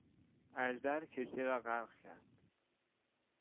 اژدر کشتی را غرق کرد.